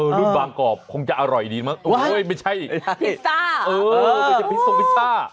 รุ่นบางกรอบคงจะอร่อยดีมากโอ้โหไม่ใช่พิซซ่า